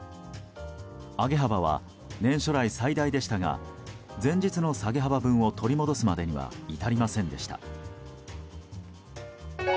上げ幅は年初来最大でしたが前日の下げ幅分を取り戻すまでには至りませんでした。